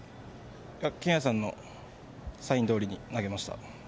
健さんのサインどおりに投げました。